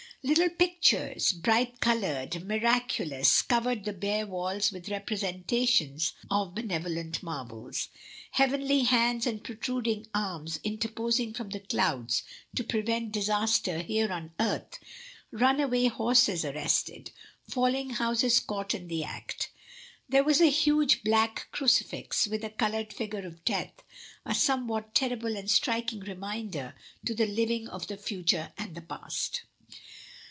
Little pictures, bright coloured, miraculous, covered the bare walls with representations of benevolent marvels — heavenly hands and protruding arms inter posing from the clouds to prevent disaster here on earth; runaway horses arrested, falling houses caught in the act There was a huge black crucifix with a coloured figure of Death — a somewhat terrible and striking reminder to the living of the fixture and the past.